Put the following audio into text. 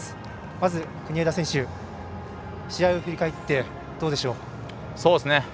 まず、国枝選手。試合を振り返ってどうでしょう？